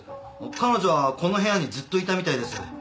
彼女はこの部屋にずっといたみたいです。